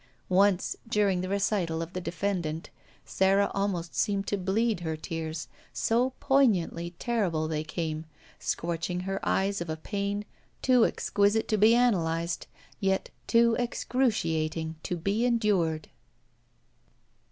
Once, dtuing the recital of the defendant, Sara almost seemed to bleed her tears, so poignantly terrible they came, scorching her eyes of a pain too exquisite to be analyzed, yet too excruciating to be endured.